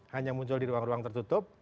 hanya muncul di ruang ruang tertutup